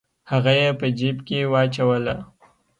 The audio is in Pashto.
هغه یې په جیب کې واچوله.